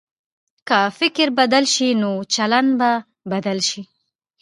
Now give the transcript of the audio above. که فکر بدل شي، نو چلند به بدل شي.